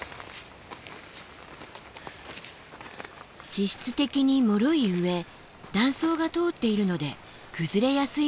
地質的にもろい上断層が通っているので崩れやすいんだそうです。